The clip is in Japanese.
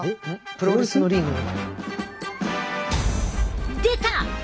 プロレスのリング？出た！